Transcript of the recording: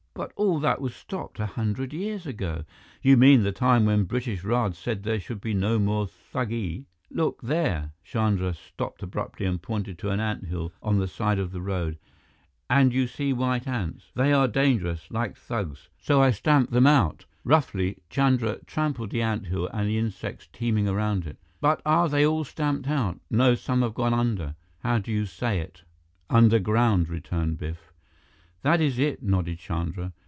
"But all that was stopped a hundred years ago " "You mean the time when British Raj said there should be no more thugee? Look there" Chandra stopped abruptly and pointed to an anthill at the side of the road "and you see white ants. They are dangerous, like thugs, so I stamp them out." Roughly, Chandra trampled the anthill and the insects teeming around it. "But are they all stamped out? No, some have gone under how do you say it?" "Underground," returned Biff. "That is it," nodded Chandra.